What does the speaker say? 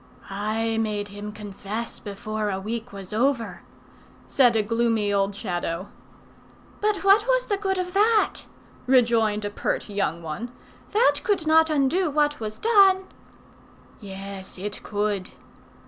"I made him confess before a week was over," said a gloomy old Shadow. "But what was the good of that?" rejoined a pert young one. "That could not undo what was done." "Yes, it could."